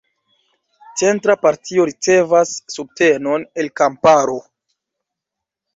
Centra partio ricevas subtenon el kamparo.